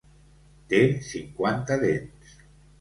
Té cinquanta dents.